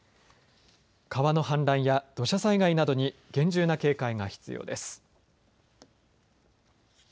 川の氾濫や土砂災害などに厳重な警戒が必要です。